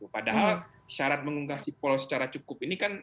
padahal syarat mengunggah sipol secara cukup ini kan diberikan dengan cukup